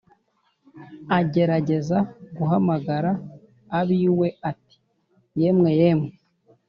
agerageza guhamagara ab’iwe ati" yemwe yemwe